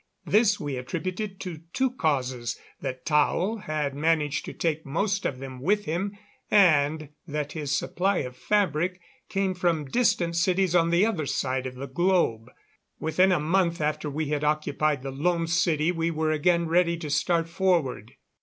This we attributed to two causes that Tao had managed to take most of them with him, and that his supply of fabric came from distant cities on the other side of the globe. Within a month after we had occupied the Lone City we were again ready to start forward.